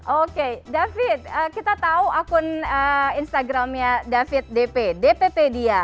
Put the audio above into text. oke david kita tahu akun instagramnya david dp dppedia